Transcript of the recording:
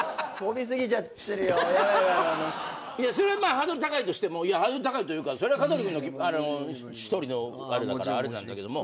それはハードル高いとしてもハードル高いというか香取君の一人のあれだからあれなんだけども。